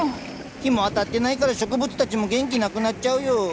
日も当たってないから植物たちも元気なくなっちゃうよ。